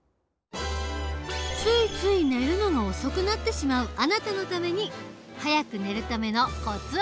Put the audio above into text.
ついつい寝るのが遅くなってしまうあなたのために早く寝るためのコツを伝授。